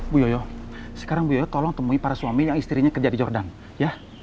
bu yoyo sekarang bu yoyo tolong temui para suami yang istrinya kerja di jordan ya